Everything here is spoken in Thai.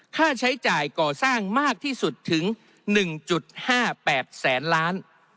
ค่าใช้จ่ายก่อสร้างมากที่สุดถึง๑๕๘แสนล้าน